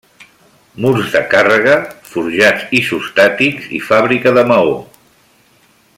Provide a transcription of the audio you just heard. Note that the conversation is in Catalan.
Murs de càrrega, forjats isostàtics i fàbrica de maó.